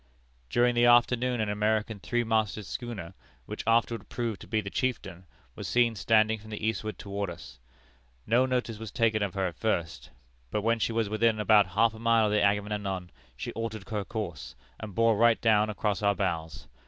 "During the afternoon an American three masted schooner, which afterward proved to be the Chieftain, was seen standing from the eastward toward us. No notice was taken of her at first, but when she was within about half a mile of the Agamemnon she altered her course, and bore right down across our bows.